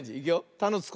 「た」のつく